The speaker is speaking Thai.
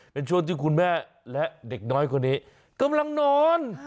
เป็นช่วงที่คุณแม่และเด็กน้อยคนนี้กำลังนอน